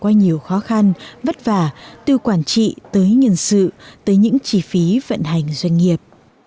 qua nhiều khó khăn vất vả từ quản trị tới nhân sự tới những chi phí vận hành doanh nghiệp